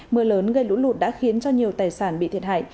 mưa lớn gây lũ lụt đã khiến cho nhiều tài sản bị thiệt hại